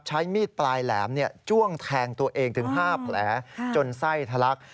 ใช้มีดปลายแหลมจ้วงแทงตัวเองถึง๕แผลจนไส้ทะลัก